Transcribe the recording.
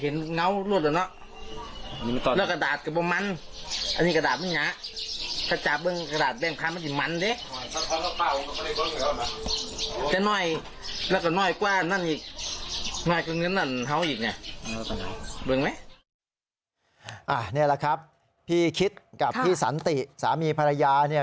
นี่แหละครับพี่คิดกับพี่สันติสามีภรรยาเนี่ย